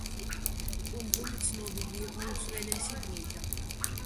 კუნძული ცნობილი იყო უძველესი დროიდან.